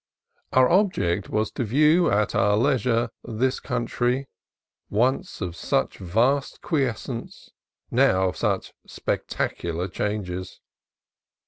Our object was to view at our leisure this country, once of such vast quiescence, now of such spectacu lar changes.